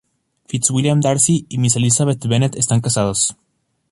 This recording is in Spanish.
Fitzwilliam Darcy y Miss Elizabeth Bennet están casados.